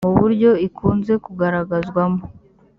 mu buryo ikunze kugaragazwamo